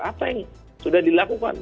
apa yang sudah dilakukan